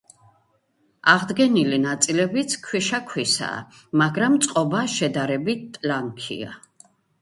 აღდგენილი ნაწილებიც ქვიშაქვისაა, მაგრამ წყობა შედარებით ტლანქია.